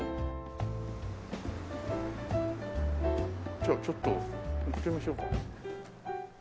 じゃあちょっと行ってみましょうか。